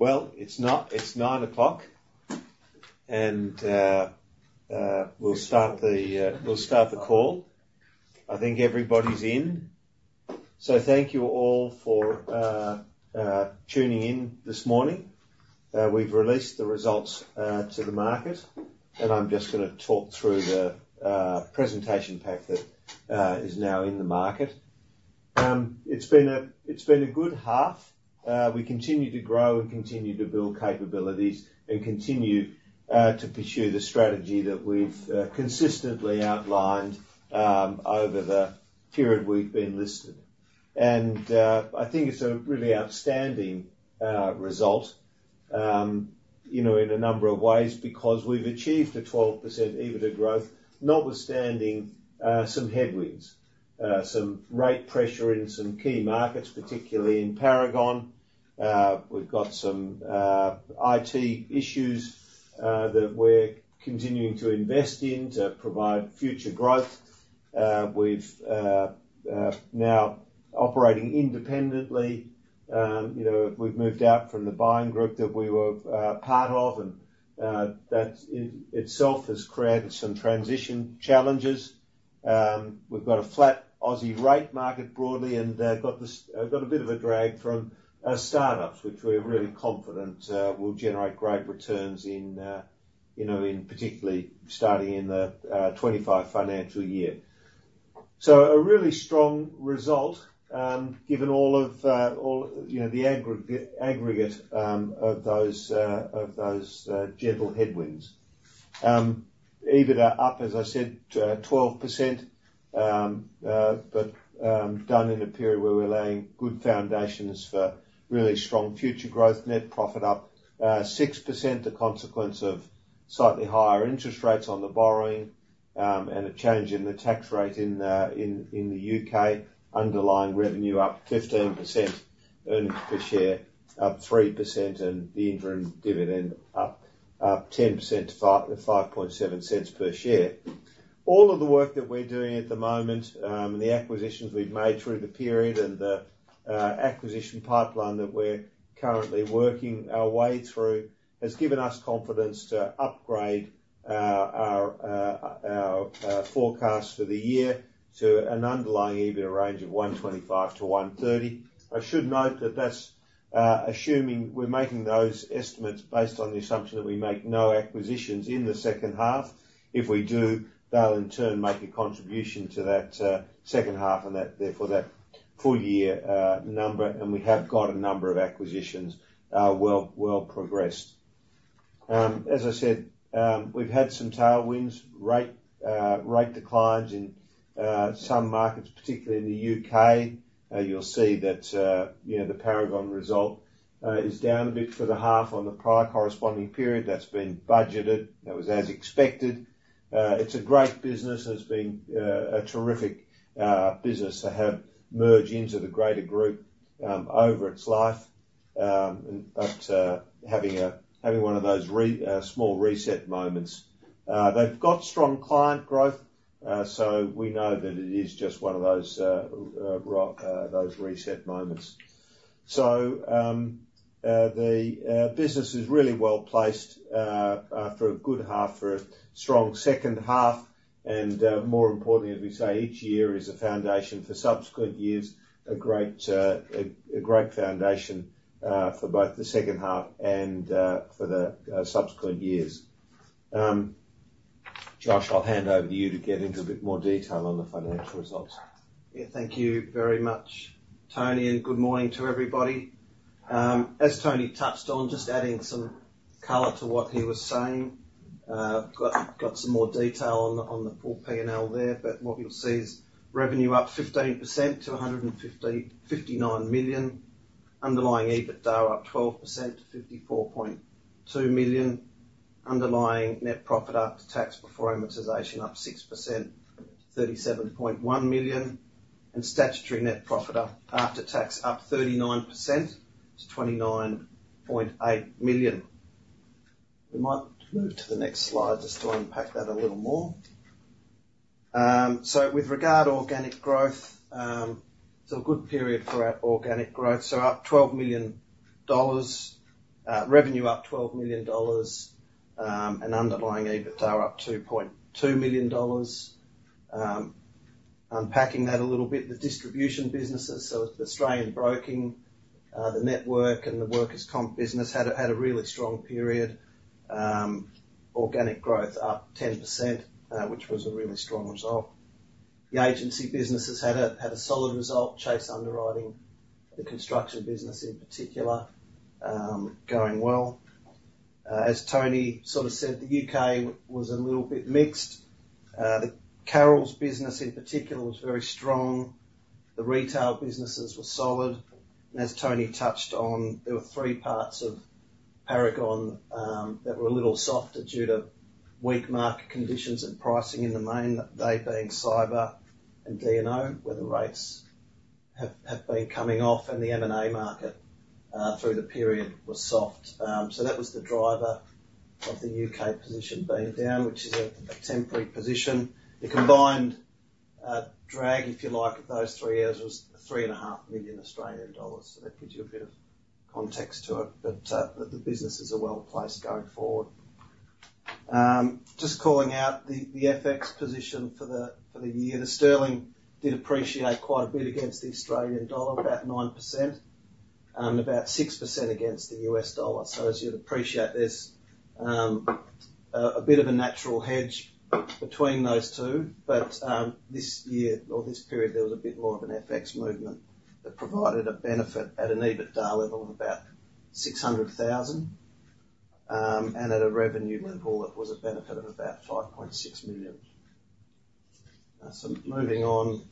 Well, it's 9:00 A.M., and we'll start the call. I think everybody's in. So thank you all for tuning in this morning. We've released the results to the market, and I'm just going to talk through the presentation pack that is now in the market. It's been a good half. We continue to grow and continue to build capabilities and continue to pursue the strategy that we've consistently outlined over the period we've been listed. And I think it's a really outstanding result in a number of ways because we've achieved a 12% EBITDA growth notwithstanding some headwinds, some rate pressure in some key markets, particularly in Paragon. We've got some IT issues that we're continuing to invest in to provide future growth. We've now operating independently. We've moved out from the buying group that we were part of, and that itself has created some transition challenges. We've got a flat Aussie rate market broadly and got a bit of a drag from startups, which we're really confident will generate great returns in particularly starting in the 2025 financial year. So a really strong result given all of the aggregate of those gentle headwinds. EBITDA up, as I said, 12%, but done in a period where we're laying good foundations for really strong future growth, net profit up 6%, the consequence of slightly higher interest rates on the borrowing and a change in the tax rate in the U.K. Underlying revenue up 15%, earnings per share up 3%, and the interim dividend up 10% to 0.057 per share. All of the work that we're doing at the moment and the acquisitions we've made through the period and the acquisition pipeline that we're currently working our way through has given us confidence to upgrade our forecast for the year to an underlying EBITDA range of 125 million-130 million. I should note that that's assuming we're making those estimates based on the assumption that we make no acquisitions in the second half. If we do, they'll in turn make a contribution to that second half and therefore that full-year number. We have got a number of acquisitions well progressed. As I said, we've had some tailwinds, rate declines in some markets, particularly in the U.K. You'll see that the Paragon result is down a bit for the half on the prior corresponding period. That's been budgeted. That was as expected. It's a great business, and it's been a terrific business to have merged into the greater group over its life and having one of those small reset moments. They've got strong client growth, so we know that it is just one of those reset moments. So the business is really well placed for a good half, for a strong second half. And more importantly, as we say, each year is a foundation for subsequent years, a great foundation for both the second half and for the subsequent years. Josh, I'll hand over to you to get into a bit more detail on the financial results. Yeah, thank you very much, Tony, and good morning to everybody. As Tony touched on, just adding some color to what he was saying. Got some more detail on the full P&L there, but what you'll see is revenue up 15% to 159 million, underlying EBITDA up 12% to 54.2 million, underlying net profit up to tax before amortisation up 6% to 37.1 million, and statutory net profit after tax up 39% to 29.8 million. We might move to the next slide just to unpack that a little more. So with regard to organic growth, it's a good period for organic growth. So revenue up 12 million dollars and underlying EBITDA up 2.2 million dollars. Unpacking that a little bit, the distribution businesses, so the Australian broking, the network, and the workers' comp business had a really strong period. Organic growth up 10%, which was a really strong result. The agency businesses had a solid result, Chase Underwriting, the construction business in particular, going well. As Tony sort of said, the U.K. was a little bit mixed. The Carrolls business in particular was very strong. The retail businesses were solid. As Tony touched on, there were three parts of Paragon that were a little softer due to weak market conditions and pricing in the main, they being cyber and D&O, where the rates have been coming off, and the M&A market through the period was soft. That was the driver of the U.K. position being down, which is a temporary position. The combined drag, if you like, of those three years was 3.5 million Australian dollars. That gives you a bit of context to it, but the businesses are well placed going forward. Just calling out the FX position for the year. The sterling did appreciate quite a bit against the Australian dollar, about 9%, and about 6% against the US dollar. So as you'd appreciate, there's a bit of a natural hedge between those two. But this year or this period, there was a bit more of an FX movement that provided a benefit at an EBITDA level of about 600,000, and at a revenue level, it was a benefit of about 5.6 million. So moving on.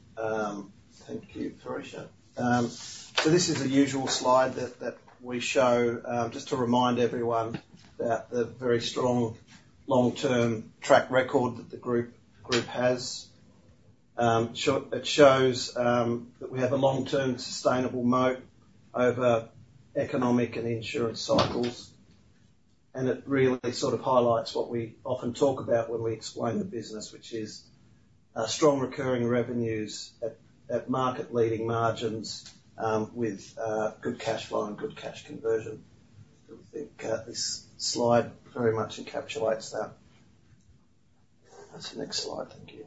Thank you, Theresia. So this is a usual slide that we show just to remind everyone about the very strong long-term track record that the group has. It shows that we have a long-term sustainable moat over economic and insurance cycles. And it really sort of highlights what we often talk about when we explain the business, which is strong recurring revenues at market-leading margins with good cash flow and good cash conversion. I think this slide very much encapsulates that That's the next slide. Thank you.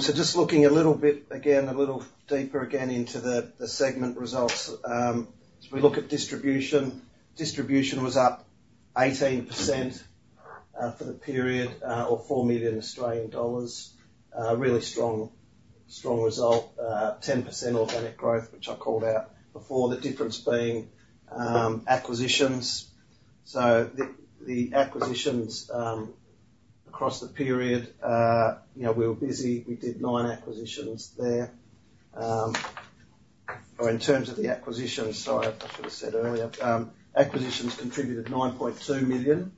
So just looking a little bit again, a little deeper again into the segment results. As we look at distribution, distribution was up 18% for the period or 4 million Australian dollars. Really strong result, 10% organic growth, which I called out before. The difference being acquisitions. So the acquisitions across the period, we were busy. We did 9 acquisitions there. Or in terms of the acquisitions - sorry, I should have said earlier - acquisitions contributed 9.2 million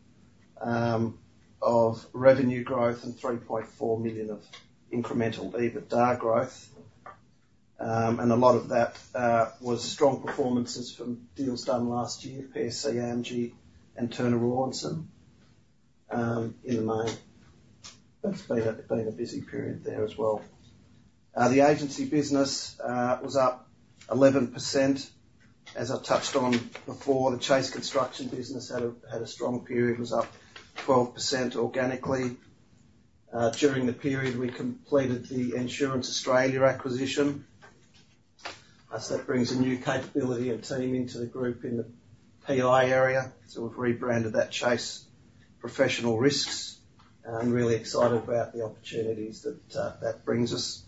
of revenue growth and 3.4 million of incremental EBITDA growth. And a lot of that was strong performances from deals done last year, PSC AMGI and Turner-Rawlinson in the main. That's been a busy period there as well. The agency business was up 11%. As I touched on before, the Chase Construction business had a strong period, was up 12% organically. During the period, we completed the Insurance Australia acquisition. That brings a new capability and team into the group in the PI area. So we've rebranded that Chase Professional Risks and really excited about the opportunities that that brings us.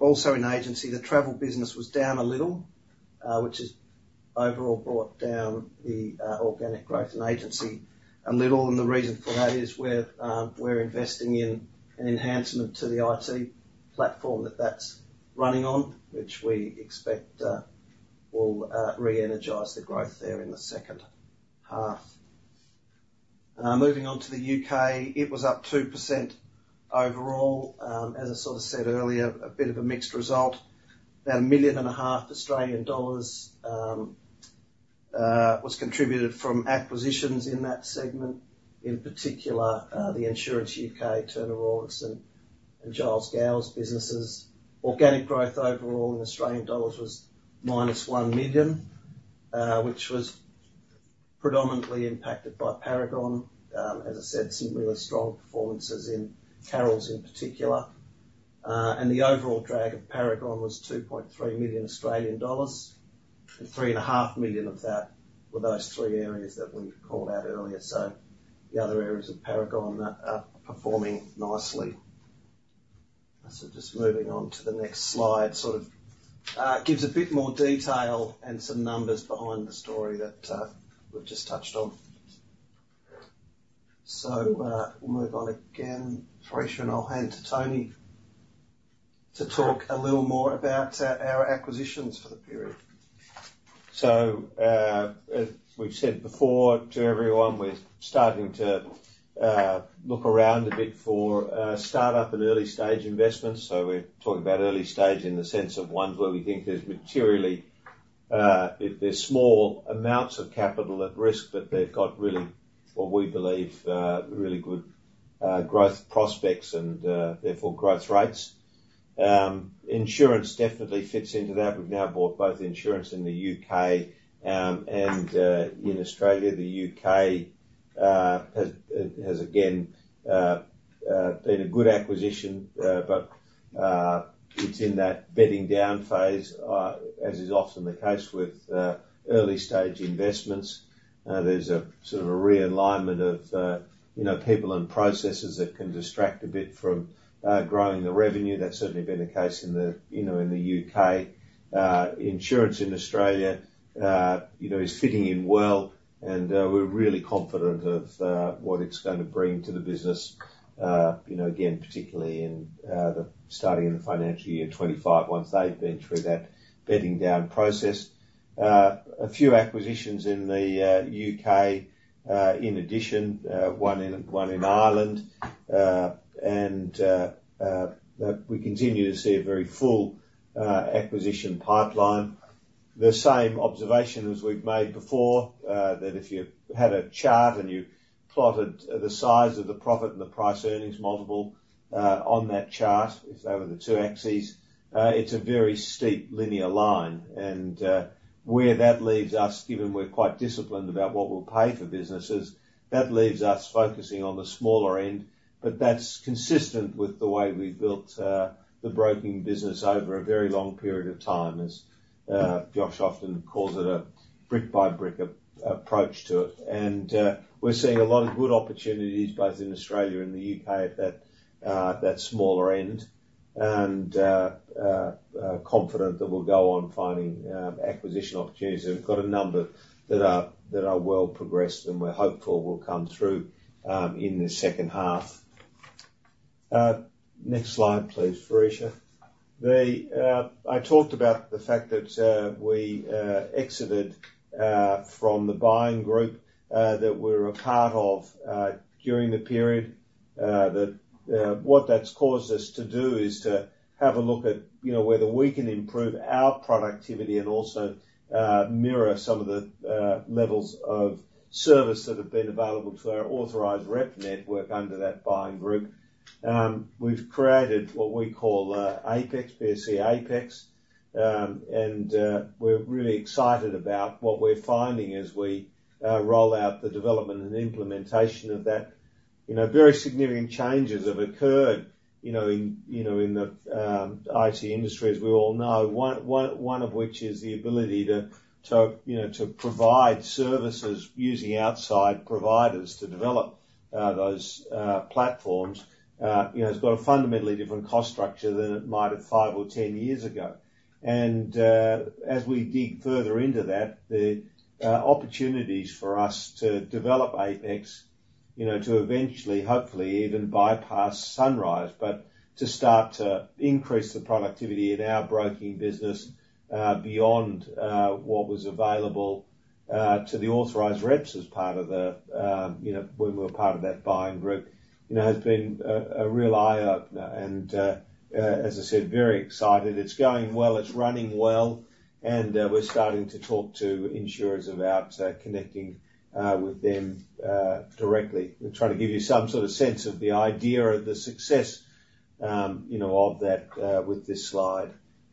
Also in agency, the travel business was down a little, which has overall brought down the organic growth in agency a little. The reason for that is we're investing in an enhancement to the IT platform that that's running on, which we expect will re-energize the growth there in the second half. Moving on to the U.K., it was up 2% overall. As I sort of said earlier, a bit of a mixed result. About 1.5 million was contributed from acquisitions in that segment, in particular the Insurance U.K., Turner-Rawlinson, and Giles Gowles businesses. Organic growth overall in Australian dollars was -1 million, which was predominantly impacted by Paragon. As I said, some really strong performances in Carrolls in particular. The overall drag of Paragon was 2.3 million Australian dollars, and 3.5 million of that were those three areas that we called out earlier. So the other areas of Paragon are performing nicely. So just moving on to the next slide, sort of gives a bit more detail and some numbers behind the story that we've just touched on. So we'll move on again. Theresia, and I'll hand to Tony to talk a little more about our acquisitions for the period. So as we've said before to everyone, we're starting to look around a bit for startup and early-stage investments. So we're talking about early-stage in the sense of ones where we think there's small amounts of capital at risk, but they've got really, what we believe, really good growth prospects and therefore growth rates. Insurance definitely fits into that. We've now bought both insurance in the U.K. and in Australia. The U.K. has, again, been a good acquisition, but it's in that bedding down phase, as is often the case with early-stage investments. There's sort of a realignment of people and processes that can distract a bit from growing the revenue. That's certainly been the case in the U.K. Insurance in Australia is fitting in well, and we're really confident of what it's going to bring to the business, again, particularly starting in the financial year 2025 once they've been through that bedding down process. A few acquisitions in the U.K. in addition, one in Ireland. We continue to see a very full acquisition pipeline. The same observation as we've made before, that if you had a chart and you plotted the size of the profit and the price earnings multiple on that chart, if they were the two axes, it's a very steep linear line. Where that leaves us, given we're quite disciplined about what we'll pay for businesses, that leaves us focusing on the smaller end. But that's consistent with the way we've built the broking business over a very long period of time, as Josh often calls it a brick-by-brick approach to it. We're seeing a lot of good opportunities both in Australia and the U.K. at that smaller end, and confident that we'll go on finding acquisition opportunities. We've got a number that are well progressed, and we're hopeful will come through in the second half. Next slide, please, Theresia. I talked about the fact that we exited from the buying group that we were a part of during the period. What that's caused us to do is to have a look at whether we can improve our productivity and also mirror some of the levels of service that have been available to our authorized rep network under that buying group. We've created what we call PSC Apex, and we're really excited about what we're finding as we roll out the development and implementation of that. Very significant changes have occurred in the IT industry, as we all know, one of which is the ability to provide services using outside providers to develop those platforms. It's got a fundamentally different cost structure than it might have five or 10 years ago. As we dig further into that, the opportunities for us to develop Apex, to eventually, hopefully, even bypass Sunrise, but to start to increase the productivity in our broking business beyond what was available to the authorized reps as part of the when we were part of that buying group, has been a real eye-opener. As I said, very excited. It's going well. It's running well. And we're starting to talk to insurers about connecting with them directly. We're trying to give you some sort of sense of the idea of the success of that with this slide,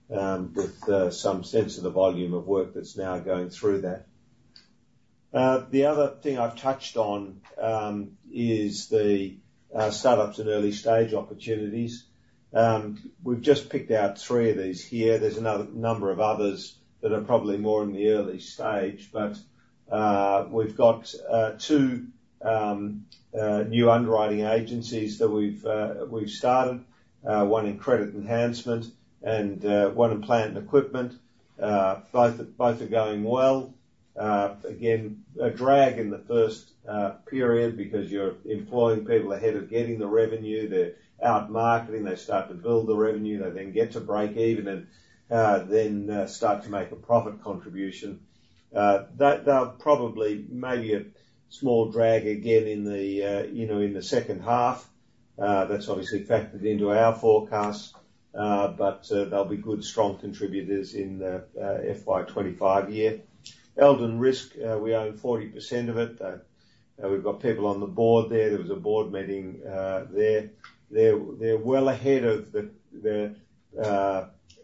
with some sense of the volume of work that's now going through that. The other thing I've touched on is the startups and early-stage opportunities. We've just picked out three of these here. There's a number of others that are probably more in the early stage, but we've got two new underwriting agencies that we've started, one in credit enhancement and one in plant and equipment. Both are going well. Again, a drag in the first period because you're employing people ahead of getting the revenue. They're out marketing. They start to build the revenue. They then get to break even and then start to make a profit contribution. There'll probably maybe a small drag again in the second half. That's obviously factored into our forecast, but they'll be good, strong contributors in the FY25 year. Eldn Risk, we own 40% of it. We've got people on the board there. There was a board meeting there. They're well ahead of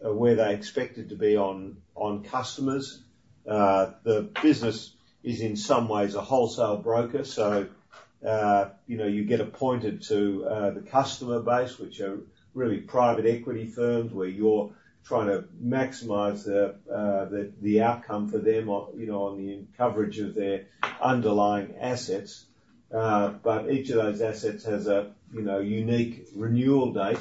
where they expected to be on customers. The business is, in some ways, a wholesale broker, so you get appointed to the customer base, which are really private equity firms where you're trying to maximize the outcome for them on the coverage of their underlying assets. But each of those assets has a unique renewal date.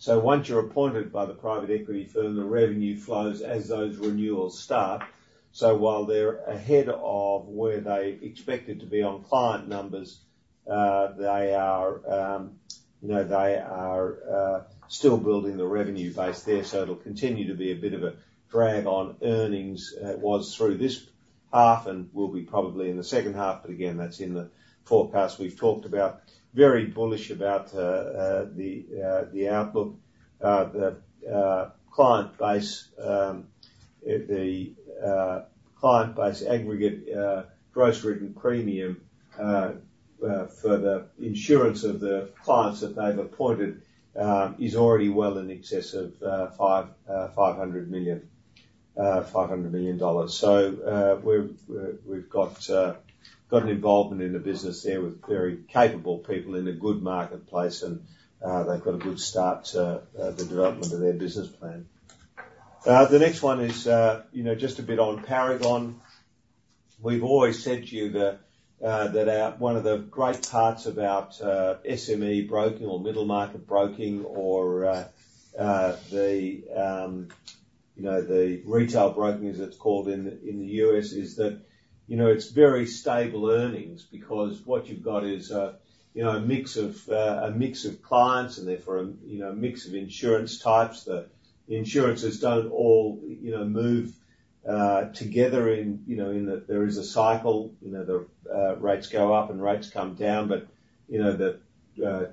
So once you're appointed by the private equity firm, the revenue flows as those renewals start. So while they're ahead of where they expected to be on client numbers, they are still building the revenue base there. So it'll continue to be a bit of a drag on earnings as it was through this half and will be probably in the second half, but again, that's in the forecast we've talked about. Very bullish about the outlook. The client base aggregate gross written premium for the insurance of the clients that they've appointed is already well in excess of 500 million dollars. So we've got an involvement in the business there with very capable people in a good marketplace, and they've got a good start to the development of their business plan. The next one is just a bit on Paragon. We've always said to you that one of the great parts about SME broking or middle-market broking or the retail broking, as it's called in the U.S., is that it's very stable earnings because what you've got is a mix of clients, and therefore a mix of insurance types. The insurances don't all move together in that there is a cycle. The rates go up and rates come down, but the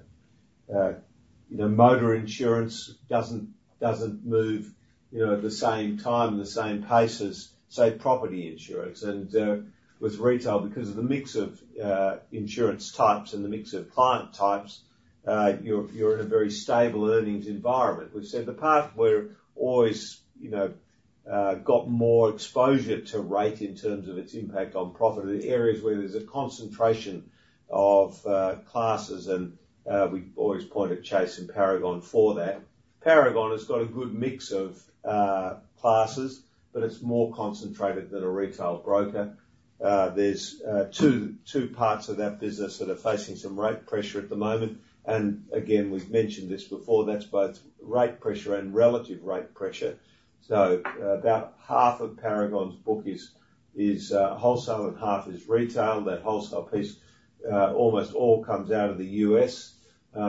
motor insurance doesn't move at the same time and the same pace as, say, property insurance. And with retail, because of the mix of insurance types and the mix of client types, you're in a very stable earnings environment. We've said the past, we've always got more exposure to rate in terms of its impact on profit, the areas where there's a concentration of classes, and we've always pointed Chase and Paragon for that. Paragon has got a good mix of classes, but it's more concentrated than a retail broker. There's two parts of that business that are facing some rate pressure at the moment. And again, we've mentioned this before. That's both rate pressure and relative rate pressure. So about half of Paragon's book is wholesale and half is retail. That wholesale piece almost all comes out of the U.S.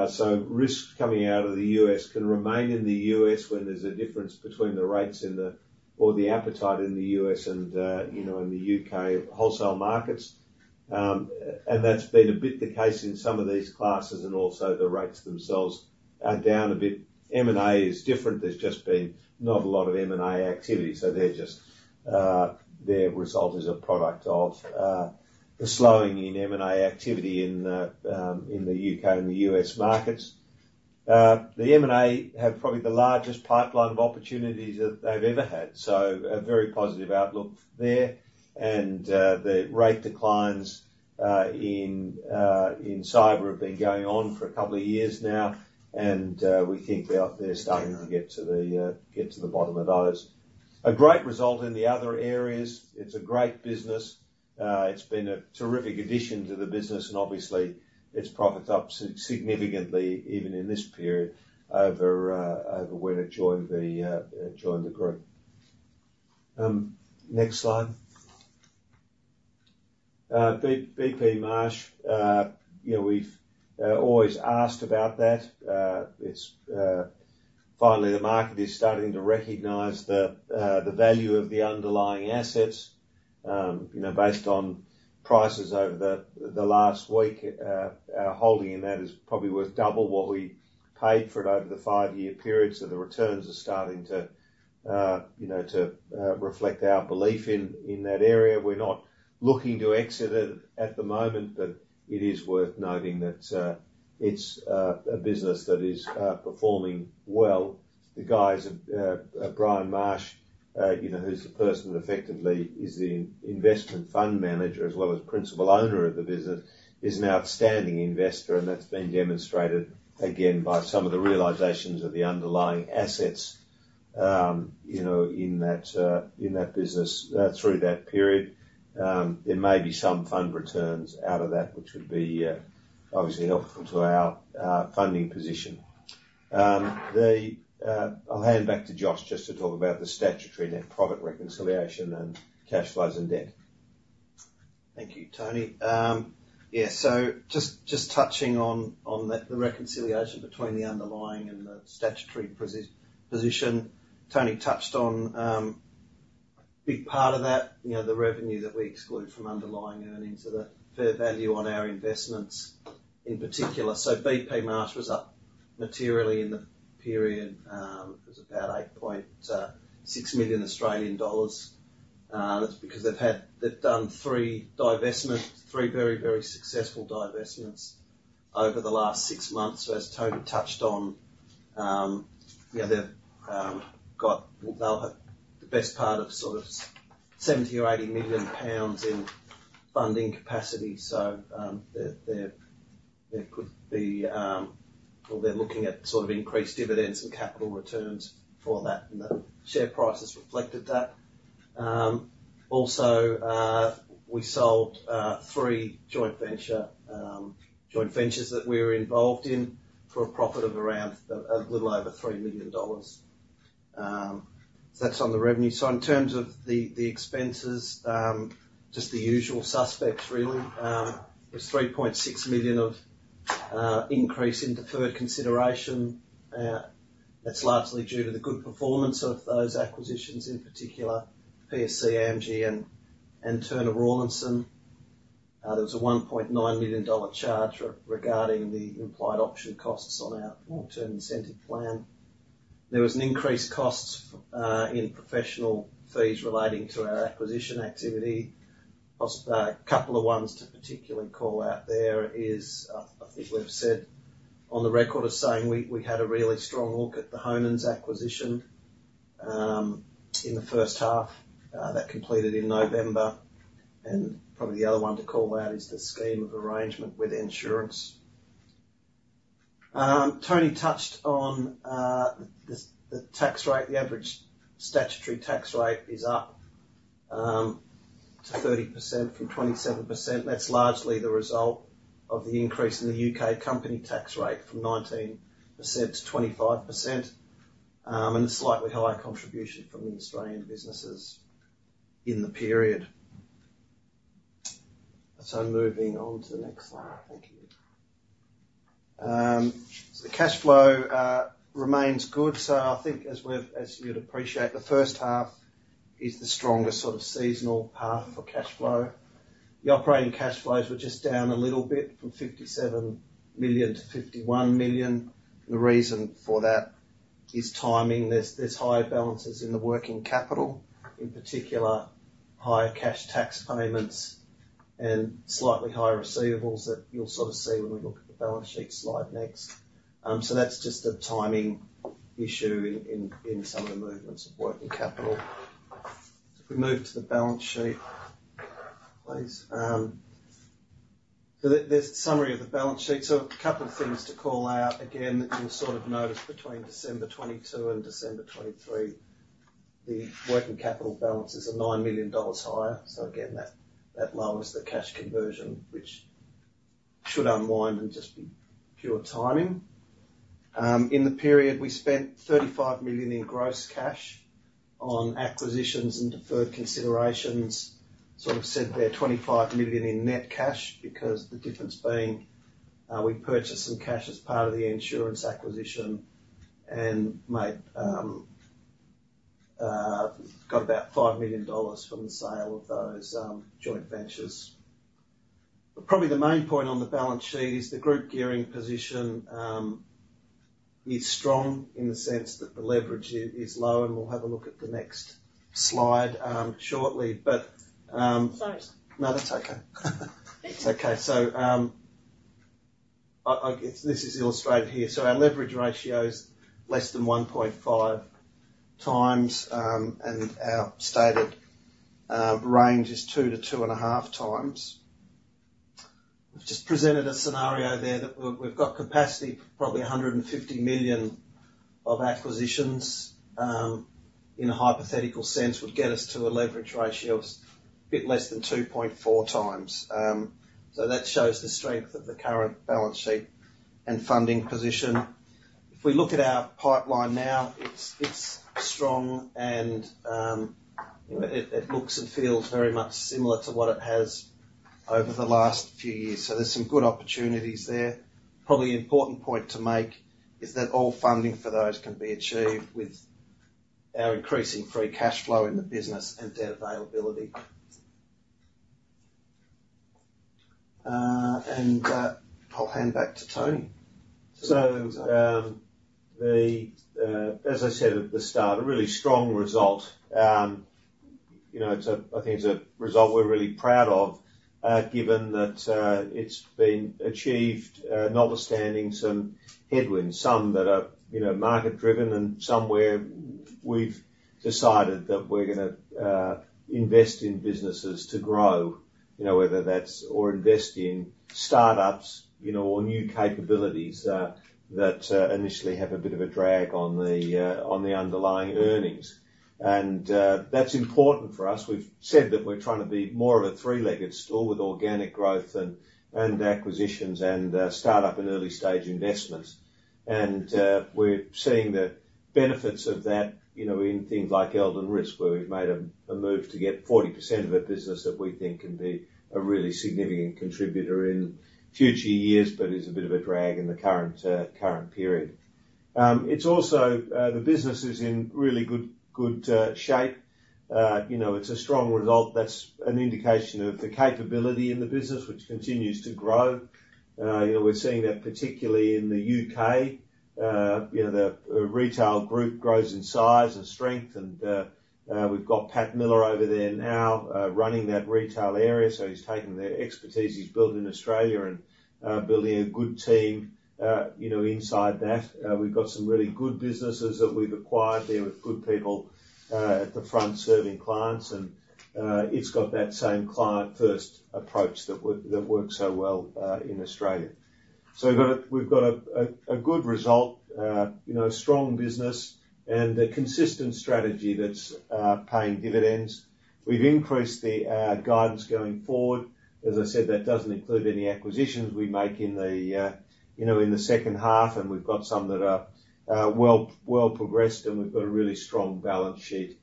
So risks coming out of the U.S. can remain in the U.S. when there's a difference between the rates or the appetite in the U.S. and in the U.K. wholesale markets. And that's been a bit the case in some of these classes, and also the rates themselves are down a bit. M&A is different. There's just been not a lot of M&A activity, so their result is a product of the slowing in M&A activity in the U.K. and the U.S. markets. The M&A have probably the largest pipeline of opportunities that they've ever had, so a very positive outlook there. And the rate declines in cyber have been going on for a couple of years now, and we think they're starting to get to the bottom of those. A great result in the other areas. It's a great business. It's been a terrific addition to the business, and obviously, it's profited up significantly even in this period over when it joined the group. Next slide. B.P. Marsh, we've always asked about that. Finally, the market is starting to recognize the value of the underlying assets. Based on prices over the last week, our holding in that is probably worth double what we paid for it over the five-year period, so the returns are starting to reflect our belief in that area. We're not looking to exit it at the moment, but it is worth noting that it's a business that is performing well. The guys of Brian Marsh, who's the person that effectively is the investment fund manager as well as principal owner of the business, is an outstanding investor, and that's been demonstrated again by some of the realizations of the underlying assets in that business through that period. There may be some fund returns out of that, which would be obviously helpful to our funding position. I'll hand back to Josh just to talk about the statutory net profit reconciliation and cash flows and debt. Thank you, Tony. Yeah, so just touching on the reconciliation between the underlying and the statutory position, Tony touched on a big part of that, the revenue that we exclude from underlying earnings, the fair value on our investments in particular. So B.P. Marsh was up materially in the period. It was about 8.6 million Australian dollars. That's because they've done three very, very successful divestments over the last six months. So as Tony touched on, they'll have the best part of sort of 70 million or 80 million pounds in funding capacity. So there could be well, they're looking at sort of increased dividends and capital returns for that, and the share prices reflected that. Also, we sold three joint ventures that we were involved in for a profit of around a little over 3 million dollars. So that's on the revenue. So in terms of the expenses, just the usual suspects, really, it was 3.6 million of increase in deferred consideration. That's largely due to the good performance of those acquisitions in particular, PSC AMGI, and Turner-Rawlinson. There was an 1.9 million dollar charge regarding the implied option costs on our long-term incentive plan. There was an increase in costs in professional fees relating to our acquisition activity. A couple of ones to particularly call out there is, I think we've said on the record, is saying we had a really strong look at the Honan's acquisition in the first half that completed in November. And probably the other one to call out is the scheme of arrangement with Insurance U.K.. Tony touched on the tax rate. The average statutory tax rate is up to 30% from 27%. That's largely the result of the increase in the U.K. company tax rate from 19%-25% and a slightly higher contribution from the Australian businesses in the period. So moving on to the next slide. Thank you. So the cash flow remains good. So I think, as you'd appreciate, the first half is the strongest sort of seasonal path for cash flow. The operating cash flows were just down a little bit from 57 million to 51 million. The reason for that is timing. There's higher balances in the working capital, in particular, higher cash tax payments and slightly higher receivables that you'll sort of see when we look at the balance sheet slide next. So that's just a timing issue in some of the movements of working capital. If we move to the balance sheet, please. So there's a summary of the balance sheet. So a couple of things to call out. Again, you'll sort of notice between December 2022 and December 2023, the working capital balance is 9 million dollars higher. So again, that lowers the cash conversion, which should unwind and just be pure timing. In the period, we spent 35 million in gross cash on acquisitions and deferred considerations, sort of set there 25 million in net cash because the difference being we purchased some cash as part of the insurance acquisition and got about 5 million dollars from the sale of those joint ventures. But probably the main point on the balance sheet is the group gearing position is strong in the sense that the leverage is low, and we'll have a look at the next slide shortly. But. Sorry. No, that's okay. It's okay. So this is illustrated here. So our leverage ratio is less than 1.5 times, and our stated range is 2-2.5 times. I've just presented a scenario there that we've got capacity, probably 150 million of acquisitions in a hypothetical sense would get us to a leverage ratio of a bit less than 2.4 times. So that shows the strength of the current balance sheet and funding position. If we look at our pipeline now, it's strong, and it looks and feels very much similar to what it has over the last few years. So there's some good opportunities there. Probably an important point to make is that all funding for those can be achieved with our increasing free cash flow in the business and debt availability. And I'll hand back to Tony. So as I said at the start, a really strong result. I think it's a result we're really proud of given that it's been achieved notwithstanding some headwinds, some that are market-driven, and some where we've decided that we're going to invest in businesses to grow, whether that's or invest in startups or new capabilities that initially have a bit of a drag on the underlying earnings. And that's important for us. We've said that we're trying to be more of a three-legged stool with organic growth and acquisitions and startup and early-stage investments. And we're seeing the benefits of that in things like Elden Risk, where we've made a move to get 40% of a business that we think can be a really significant contributor in future years but is a bit of a drag in the current period. The business is in really good shape. It's a strong result. That's an indication of the capability in the business, which continues to grow. We're seeing that particularly in the U.K.. The retail group grows in size and strength, and we've got Pat Miller over there now running that retail area. So he's taken their expertise. He's built in Australia and building a good team inside that. We've got some really good businesses that we've acquired there with good people at the front serving clients, and it's got that same client-first approach that works so well in Australia. So we've got a good result, a strong business, and a consistent strategy that's paying dividends. We've increased the guidance going forward. As I said, that doesn't include any acquisitions we make in the second half, and we've got some that are well-progressed, and we've got a really strong balance sheet.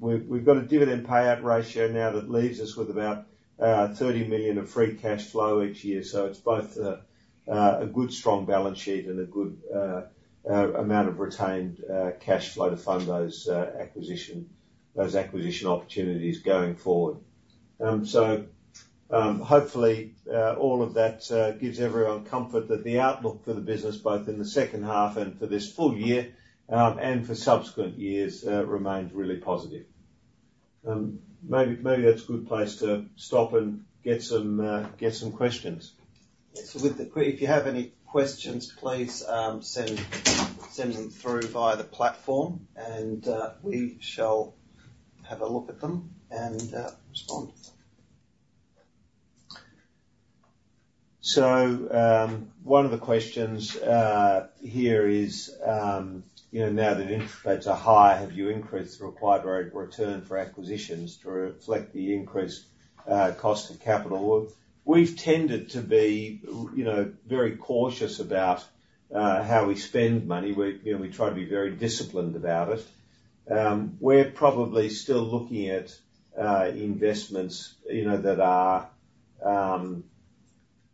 We've got a dividend payout ratio now that leaves us with about 30 million of free cash flow each year. So it's both a good, strong balance sheet and a good amount of retained cash flow to fund those acquisition opportunities going forward. So hopefully, all of that gives everyone comfort that the outlook for the business, both in the second half and for this full year and for subsequent years, remains really positive. Maybe that's a good place to stop and get some questions. Yeah. So if you have any questions, please send them through via the platform, and we shall have a look at them and respond. So one of the questions here is, now that interest rates are high, have you increased the required return for acquisitions to reflect the increased cost of capital? We've tended to be very cautious about how we spend money. We try to be very disciplined about it. We're probably still looking at investments that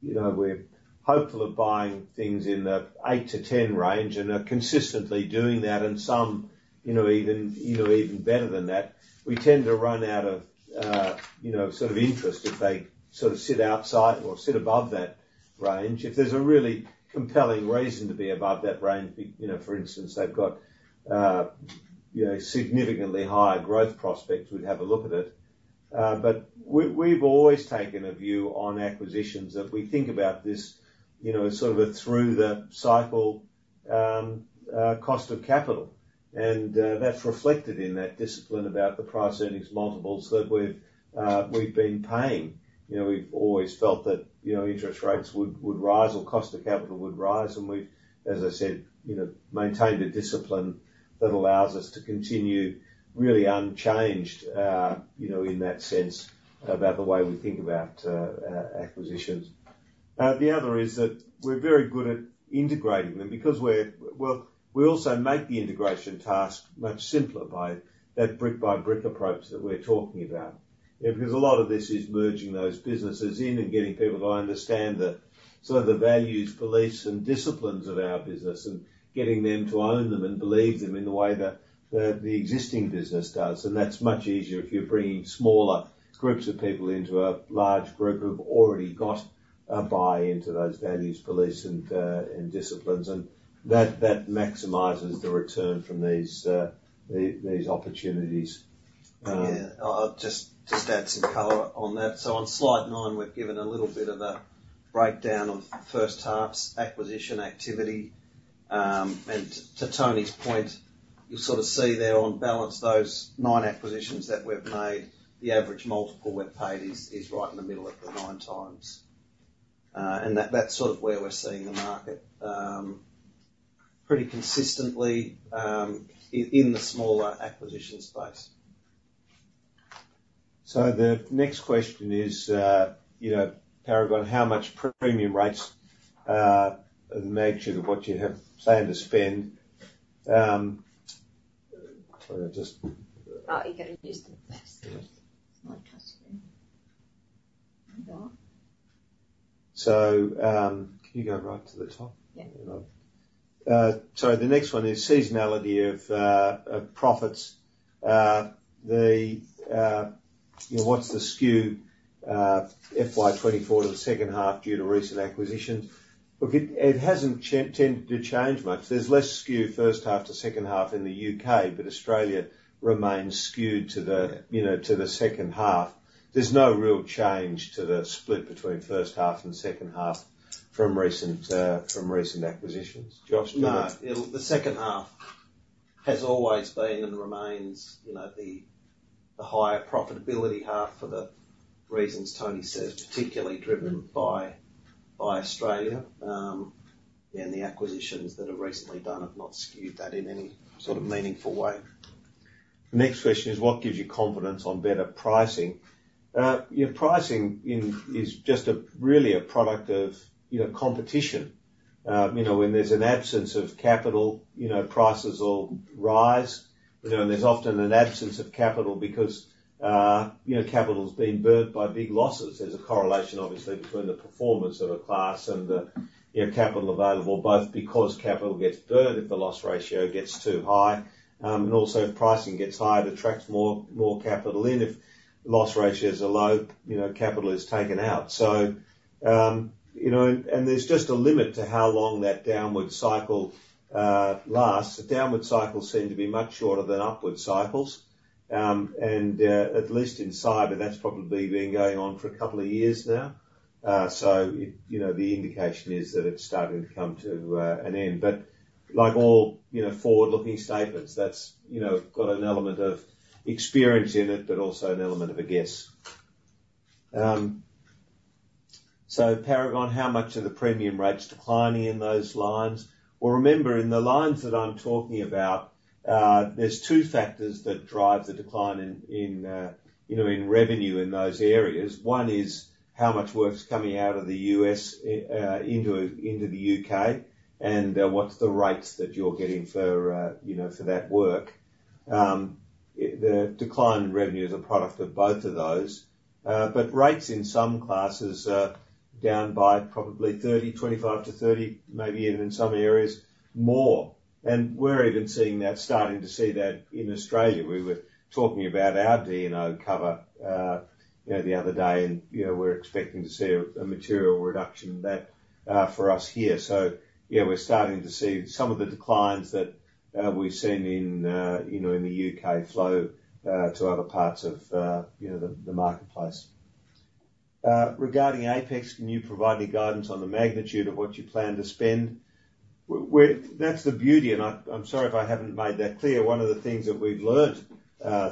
we're hopeful of buying things in the 8-10 range and are consistently doing that, and some even better than that. We tend to run out of sort of interest if they sort of sit outside or sit above that range. If there's a really compelling reason to be above that range, for instance, they've got significantly higher growth prospects, we'd have a look at it. But we've always taken a view on acquisitions that we think about this as sort of a through-the-cycle cost of capital, and that's reflected in that discipline about the price earnings multiples that we've been paying. We've always felt that interest rates would rise or cost of capital would rise, and we've, as I said, maintained a discipline that allows us to continue really unchanged in that sense about the way we think about acquisitions. The other is that we're very good at integrating them because we're well, we also make the integration task much simpler by that brick-by-brick approach that we're talking about because a lot of this is merging those businesses in and getting people to understand sort of the values, beliefs, and disciplines of our business and getting them to own them and believe them in the way that the existing business does. That's much easier if you're bringing smaller groups of people into a large group who've already got a buy into those values, beliefs, and disciplines, and that maximizes the return from these opportunities. Yeah. I'll just add some color on that. So on slide nine, we've given a little bit of a breakdown of first half's acquisition activity. And to Tony's point, you'll sort of see there on balance, those nine acquisitions that we've made, the average multiple we've paid is right in the middle of the 9x. And that's sort of where we're seeing the market pretty consistently in the smaller acquisition space. The next question is, Paragon, how much premium rates are the measure of what you have, say, to spend? Are you getting used to the best? It's my customer. Can you go right to the top? Yeah. So the next one is seasonality of profits. What's the skew FY 2024 to the second half due to recent acquisitions? Look, it hasn't tended to change much. There's less skew first half to second half in the U.K., but Australia remains skewed to the second half. There's no real change to the split between first half and second half from recent acquisitions, Josh, do you think? No. The second half has always been and remains the higher profitability half for the reasons Tony says, particularly driven by Australia. Again, the acquisitions that are recently done have not skewed that in any sort of meaningful way. The next question is, what gives you confidence on better pricing? Pricing is just really a product of competition. When there's an absence of capital, prices all rise, and there's often an absence of capital because capital's been burnt by big losses. There's a correlation, obviously, between the performance of a class and the capital available, both because capital gets burnt if the loss ratio gets too high and also if pricing gets high, it attracts more capital in. If loss ratios are low, capital is taken out. And there's just a limit to how long that downward cycle lasts. The downward cycles seem to be much shorter than upward cycles. And at least in cyber, that's probably been going on for a couple of years now. So the indication is that it's starting to come to an end. But like all forward-looking statements, that's got an element of experience in it but also an element of a guess. So Paragon, how much are the premium rates declining in those lines? Well, remember, in the lines that I'm talking about, there's two factors that drive the decline in revenue in those areas. One is how much work's coming out of the U.S. into the U.K., and what's the rates that you're getting for that work. The decline in revenue is a product of both of those. But rates in some classes are down by probably 25-30, maybe even in some areas, more. And we're even starting to see that in Australia. We were talking about our D&O cover the other day, and we're expecting to see a material reduction for us here. So yeah, we're starting to see some of the declines that we've seen in the U.K. flow to other parts of the marketplace. Regarding APEX, can you provide any guidance on the magnitude of what you plan to spend? That's the beauty. And I'm sorry if I haven't made that clear. One of the things that we've learned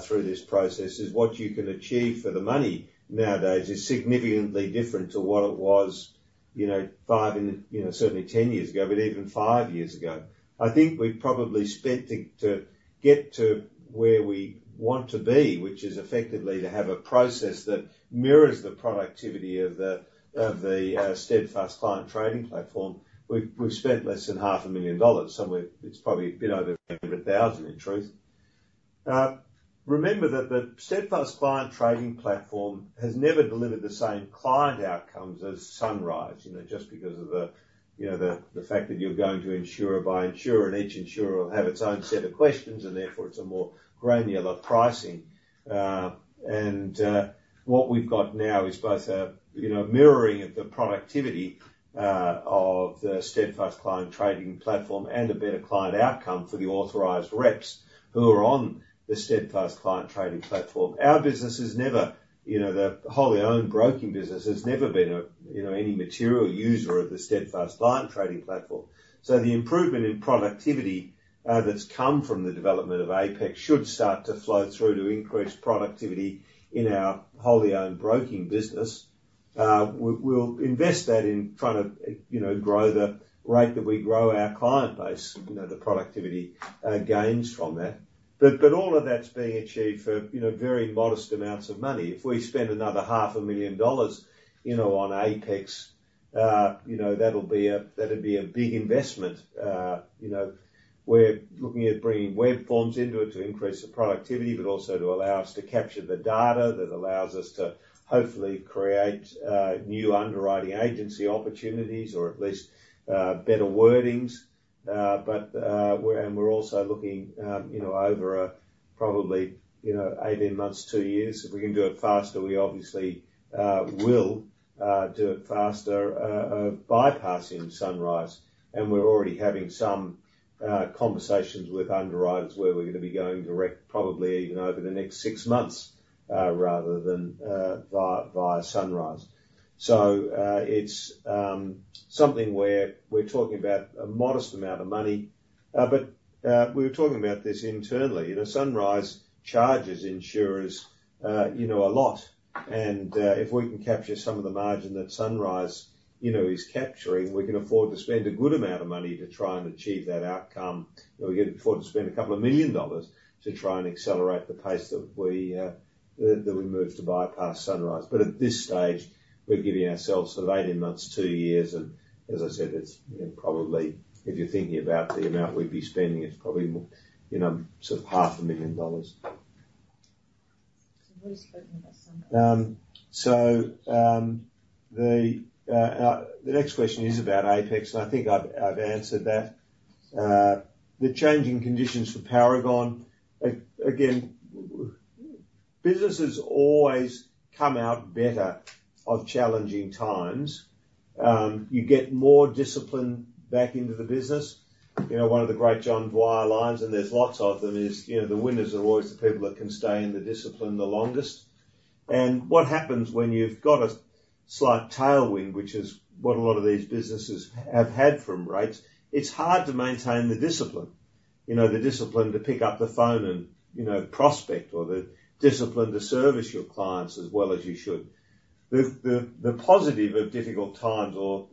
through this process is what you can achieve for the money nowadays is significantly different to what it was 5 and certainly 10 years ago, but even 5 years ago. I think we've probably spent to get to where we want to be, which is effectively to have a process that mirrors the productivity of the Steadfast Client Trading Platform. We've spent less than 500,000 dollars. It's probably a bit over 100,000, in truth. Remember that the Steadfast Client Trading Platform has never delivered the same client outcomes as Sunrise just because of the fact that you're going to insurer by insurer, and each insurer will have its own set of questions, and therefore, it's a more granular pricing. And what we've got now is both a mirroring of the productivity of the Steadfast Client Trading Platform and a better client outcome for the authorised reps who are on the Steadfast Client Trading Platform. Our business has never the wholly owned broking business has never been any material user of the Steadfast Client Trading Platform. So the improvement in productivity that's come from the development of APEX should start to flow through to increase productivity in our wholly owned broking business. We'll invest that in trying to grow the rate that we grow our client base, the productivity gains from that. But all of that's being achieved for very modest amounts of money. If we spend another 500,000 dollars on APEX, that'll be a big investment. We're looking at bringing web forms into it to increase the productivity but also to allow us to capture the data that allows us to hopefully create new underwriting agency opportunities or at least better wordings. And we're also looking over probably 18 months, two years. If we can do it faster, we obviously will do it faster bypassing Sunrise. And we're already having some conversations with underwriters where we're going to be going direct probably even over the next six months rather than via Sunrise. So it's something where we're talking about a modest amount of money. But we were talking about this internally. Sunrise charges insurers a lot. If we can capture some of the margin that Sunrise is capturing, we can afford to spend a good amount of money to try and achieve that outcome. We can afford to spend a couple of million AUD to try and accelerate the pace that we move to bypass Sunrise. But at this stage, we're giving ourselves sort of 18 months, two years. As I said, it's probably if you're thinking about the amount we'd be spending, it's probably sort of 500,000 dollars. So, what are you speaking about, Sunrise? So the next question is about APEX, and I think I've answered that. The changing conditions for Paragon, again, businesses always come out better of challenging times. You get more discipline back into the business. One of the great John Dwyer lines, and there's lots of them, is the winners are always the people that can stay in the discipline the longest. And what happens when you've got a slight tailwind, which is what a lot of these businesses have had from rates? It's hard to maintain the discipline, the discipline to pick up the phone and prospect or the discipline to service your clients as well as you should. The positive of difficult times or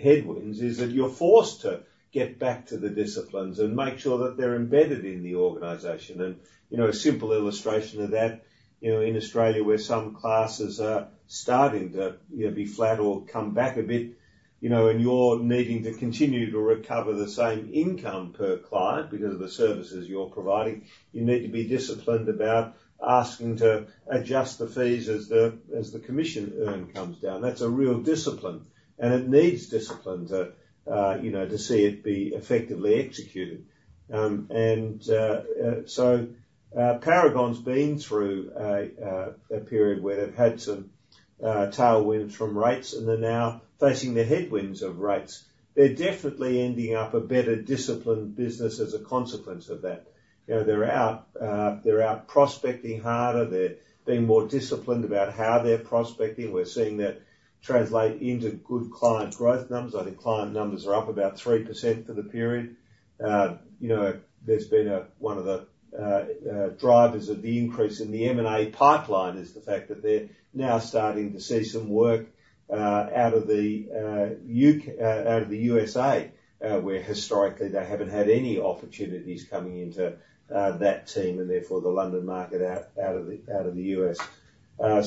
headwinds is that you're forced to get back to the disciplines and make sure that they're embedded in the organization. A simple illustration of that, in Australia where some classes are starting to be flat or come back a bit, and you're needing to continue to recover the same income per client because of the services you're providing, you need to be disciplined about asking to adjust the fees as the commission earned comes down. That's a real discipline, and it needs discipline to see it be effectively executed. So Paragon's been through a period where they've had some tailwinds from rates, and they're now facing the headwinds of rates. They're definitely ending up a better disciplined business as a consequence of that. They're out prospecting harder. They're being more disciplined about how they're prospecting. We're seeing that translate into good client growth numbers. I think client numbers are up about 3% for the period. There's been one of the drivers of the increase in the M&A pipeline is the fact that they're now starting to see some work out of the USA where historically, they haven't had any opportunities coming into that team and therefore the London market out of the U.S.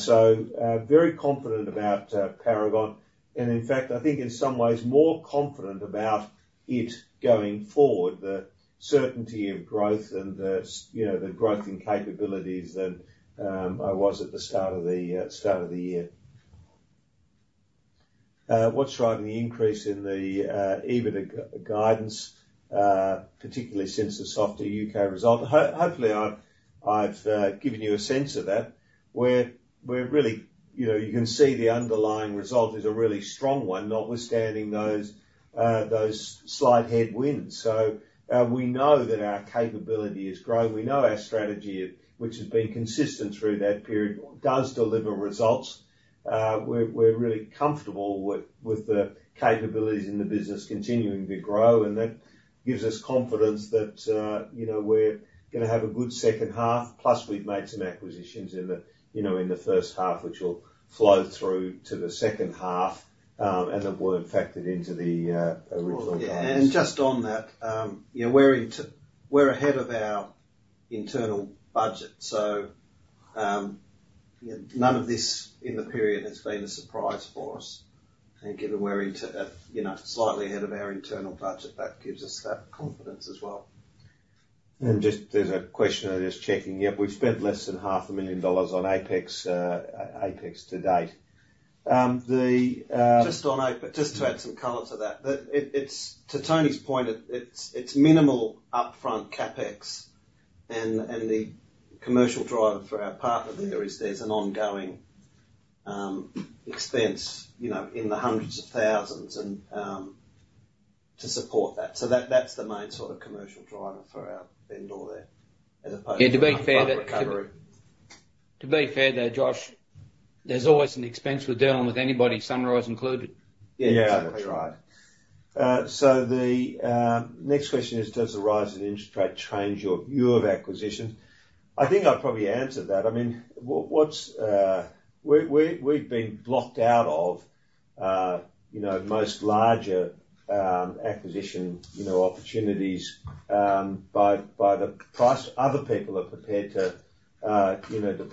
So very confident about Paragon. And in fact, I think in some ways more confident about it going forward, the certainty of growth and the growth in capabilities than I was at the start of the year. What's driving the increase in the EBITDA guidance, particularly since the softer U.K. result? Hopefully, I've given you a sense of that where really, you can see the underlying result is a really strong one, notwithstanding those slight headwinds. So we know that our capability is growing. We know our strategy, which has been consistent through that period, does deliver results. We're really comfortable with the capabilities in the business continuing to grow, and that gives us confidence that we're going to have a good second half. Plus, we've made some acquisitions in the first half, which will flow through to the second half and that weren't factored into the original guidance. Well, yeah. And just on that, we're ahead of our internal budget. So none of this in the period has been a surprise for us. And given we're slightly ahead of our internal budget, that gives us that confidence as well. Just, there's a question. I'm just checking. Yep. We've spent less than 500,000 dollars on APEX to date. Just to add some color to that, to Tony's point, it's minimal upfront CapEx. And the commercial driver for our partner there is there's an ongoing expense in the AUD hundreds of thousands to support that. So that's the main sort of commercial driver for our vendor there as opposed to the corporate recovery. Yeah. To be fair there, Josh, there's always an expense we're dealing with, anybody, Sunrise included. Yeah. That's right. Yeah. That's right. So the next question is, does the rise in interest rate change your view of acquisitions? I think I've probably answered that. I mean, we've been blocked out of most larger acquisition opportunities by the price other people are prepared to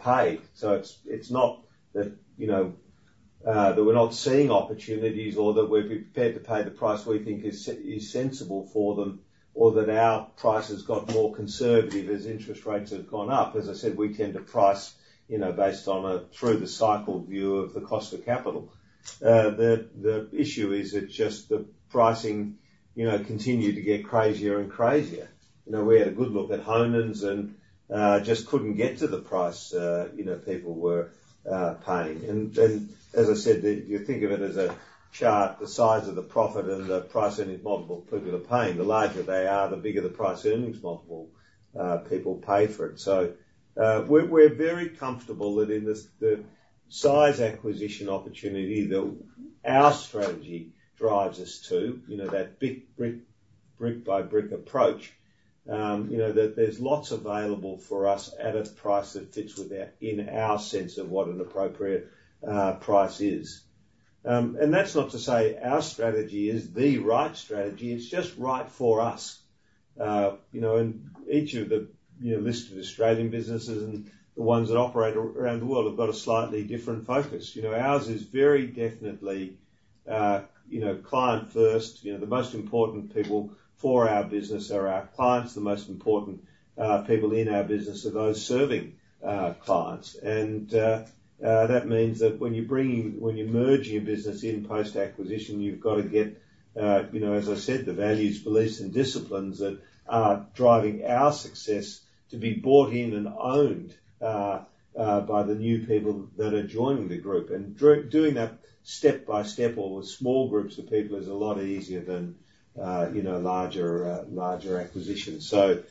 pay. So it's not that we're not seeing opportunities or that we'll be prepared to pay the price we think is sensible for them or that our price has got more conservative as interest rates have gone up. As I said, we tend to price based on a through-the-cycle view of the cost of capital. The issue is that just the pricing continued to get crazier and crazier. We had a good look at Honan's and just couldn't get to the price people were paying. As I said, you think of it as a chart: the size of the profit and the price earnings multiple people are paying. The larger they are, the bigger the price earnings multiple people pay for it. So we're very comfortable that in the size acquisition opportunity that our strategy drives us to, that brick-by-brick approach, that there's lots available for us at a price that fits in our sense of what an appropriate price is. And that's not to say our strategy is the right strategy. It's just right for us. And each of the listed Australian businesses and the ones that operate around the world have got a slightly different focus. Ours is very definitely client-first. The most important people for our business are our clients. The most important people in our business are those serving clients. And that means that when you're merging a business in post-acquisition, you've got to get, as I said, the values, beliefs, and disciplines that are driving our success to be bought in and owned by the new people that are joining the group. And doing that step by step or with small groups of people is a lot easier than larger acquisitions. So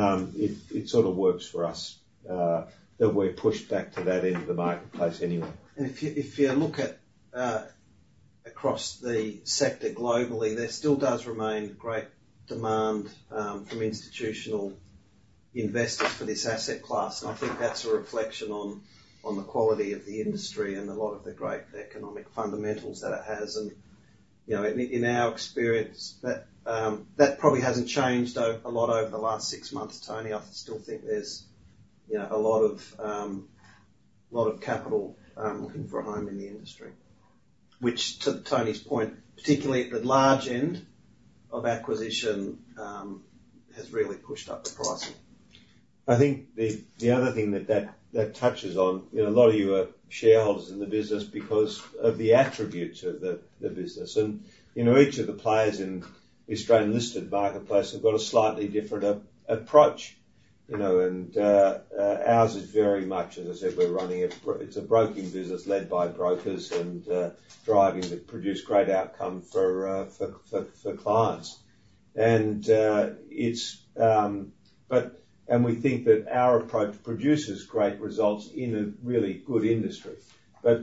it sort of works for us that we're pushed back to that end of the marketplace anyway. If you look across the sector globally, there still does remain great demand from institutional investors for this asset class. I think that's a reflection on the quality of the industry and a lot of the great economic fundamentals that it has. In our experience, that probably hasn't changed a lot over the last six months, Tony. I still think there's a lot of capital looking for a home in the industry, which to Tony's point, particularly at the large end of acquisition, has really pushed up the pricing. I think the other thing that that touches on, a lot of you are shareholders in the business because of the attributes of the business. Each of the players in the Australian listed marketplace have got a slightly different approach. Ours is very much, as I said, we're running it's a broking business led by brokers and driving to produce great outcome for clients. We think that our approach produces great results in a really good industry.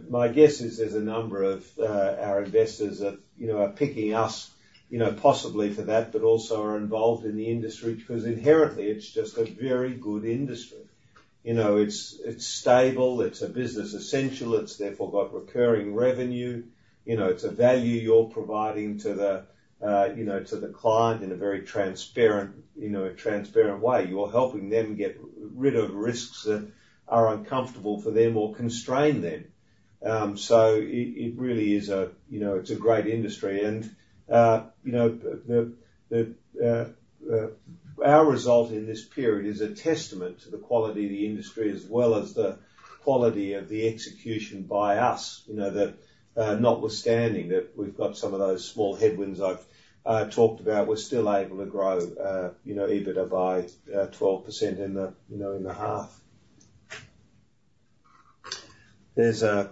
My guess is there's a number of our investors that are picking us possibly for that but also are involved in the industry because inherently, it's just a very good industry. It's stable. It's a business essential. It's therefore got recurring revenue. It's a value you're providing to the client in a very transparent way. You're helping them get rid of risks that are uncomfortable for them or constrain them. So it really is a great industry. Our result in this period is a testament to the quality of the industry as well as the quality of the execution by us, that notwithstanding that we've got some of those small headwinds I've talked about, we're still able to grow EBITDA by 12% in the half. There's a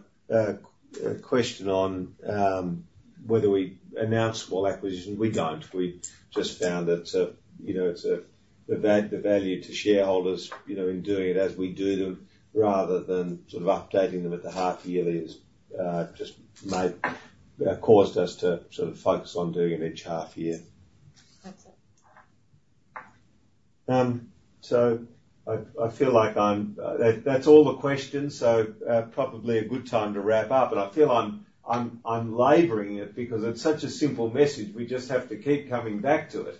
question on whether we announce small acquisitions. We don't. We just found that it's the value to shareholders in doing it as we do them rather than sort of updating them at the half-yearly has just caused us to sort of focus on doing it each half-year. That's it. So I feel like that's all the questions. So probably a good time to wrap up. And I feel I'm laboring it because it's such a simple message. We just have to keep coming back to it.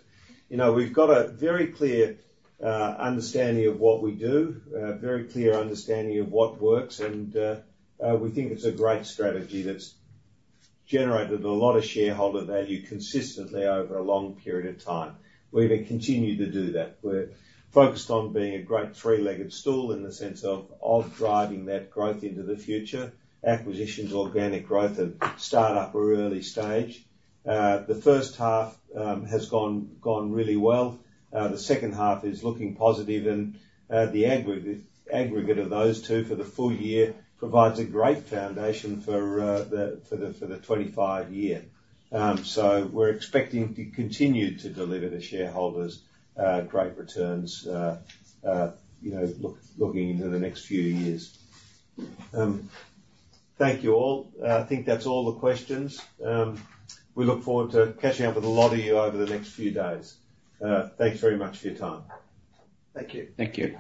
We've got a very clear understanding of what we do, a very clear understanding of what works. And we think it's a great strategy that's generated a lot of shareholder value consistently over a long period of time. We've continued to do that. We're focused on being a great three-legged stool in the sense of driving that growth into the future, acquisitions, organic growth, and startup early stage. The first half has gone really well. The second half is looking positive. And the aggregate of those two for the full year provides a great foundation for 2025. We're expecting to continue to deliver to shareholders great returns looking into the next few years. Thank you all. I think that's all the questions. We look forward to catching up with a lot of you over the next few days. Thanks very much for your time. Thank you. Thank you.